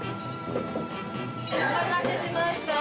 お待たせしました。